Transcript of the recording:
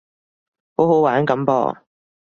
好好玩噉噃